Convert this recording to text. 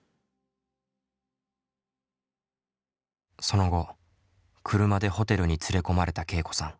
その後車でホテルに連れ込まれたけいこさん。